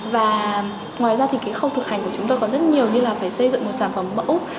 và ngoài ra thì cái khâu thực hành của chúng tôi còn rất nhiều như là phải xây dựng một sản phẩm mẫu